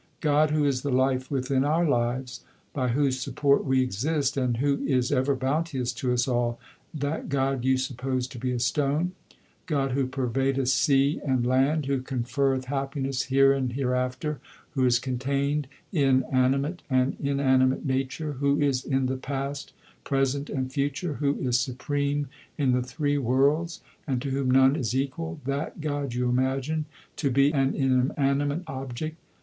God who is the life within our lives, by whose support we exist, and who is ever bounteous to us all that God you suppose to be a stone. God who pervadeth sea and 1 Made out of clarified butter, sugar, and flour kneaded without water. 2 Bhairo. 6 THE SIKH RELIGION land, who conferreth happiness here and hereafter, who is contained in animate and inanimate nature, who is in the past, present and future, who is supreme in the three worlds and to whom none is equal that God you imagine to be an inanimate object.